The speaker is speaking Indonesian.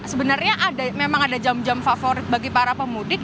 sebenarnya memang ada jam jam favorit bagi para pemudik